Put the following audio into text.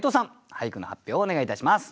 俳句の発表をお願いいたします。